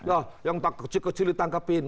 oh yang kecil kecil ditangkapin